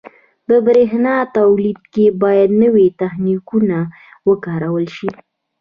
• د برېښنا تولید کې باید نوي تخنیکونه وکارول شي.